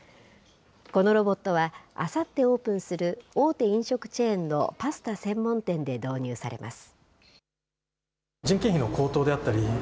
このロボットは、あさってオープンする大手飲食チェーンのパスタ専門店で導入されます。